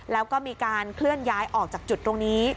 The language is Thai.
แล้วก็มีการเคลื่อนย้ายออกจากจุดตรงนี้